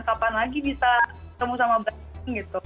kapan lagi bisa temu sama blackpink gitu